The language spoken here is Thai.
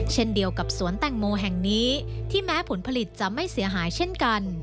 เช่นเดียวกับสวนแตงโมแห่งนี้ที่แม้ผลผลิตจะไม่เสียหายเช่นกัน